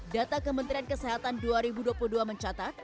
data kementerian kesehatan dua ribu dua puluh dua mencatat